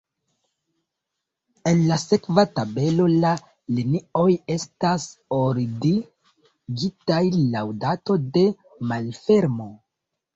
En la sekva tabelo la linioj estas ordigitaj laŭ dato de malfermo.